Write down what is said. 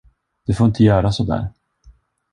Du får inte göra sådär!